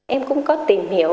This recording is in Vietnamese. em cũng có tìm hiểu